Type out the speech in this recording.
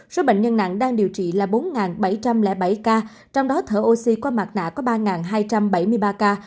số bệnh nhân nặng đang điều trị là bốn bảy trăm linh bảy ca trong đó thở oxy qua mặt nạ có ba hai trăm bảy mươi ba ca